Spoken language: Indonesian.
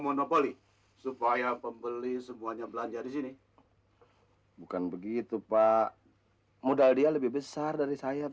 monopoli supaya pembeli semuanya belanja di sini bukan begitu pak modal dia lebih besar dari saya